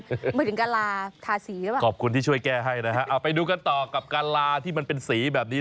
เหมือนถึงกะลาทาสีหรือเปล่าขอบคุณที่ช่วยแก้ให้นะฮะเอาไปดูกันต่อกับกะลาที่มันเป็นสีแบบนี้